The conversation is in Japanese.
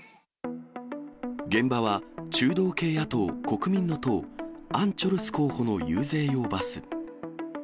現場は、中道系野党・国民の党、アン・チョルス候補の遊説用バス。